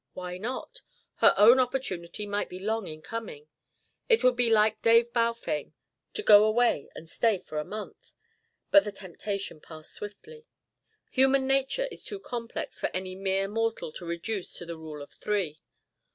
Why not? Her own opportunity might be long in coming. It would be like Dave Balfame to go away and stay for a month. But the temptation passed swiftly. Human nature is too complex for any mere mortal to reduce to the rule of three.